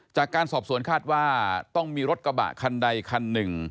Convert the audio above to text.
จากการสอบสวนคาดว่าต้องมีรถกระบะคันใดคันหนึ่ง